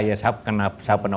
ya saya pernah